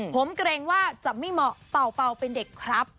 ผมเกรงว่าจะไม่เหมาะเป่าเป็นเด็กครับ